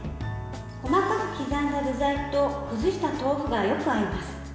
細かく刻んだ具材と崩した豆腐がよく合います。